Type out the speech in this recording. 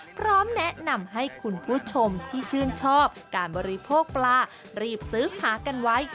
พร้อมแนะนำให้คุณผู้ชมที่ชื่นชอบการบริโภคปลารีบซื้อหากันไว้